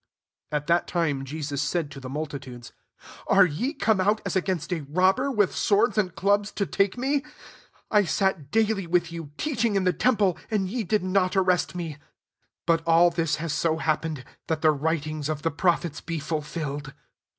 55 At that time Jesus said to the multitudes, " Are ye come out, as against a robber, with swords and clubs, to take me ? I sat daily [with you, teaching] in the temple, and ye did not arrest me. 56 But all this has so happened, that the writings of the prophets be fulfilled."